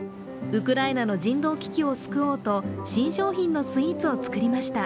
ウクライナの人道危機を救おうと、新商品のスイーツを作りました。